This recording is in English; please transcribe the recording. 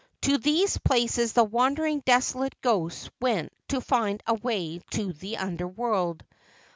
To these places the wandering desolate ghosts went to find a way to the Under world.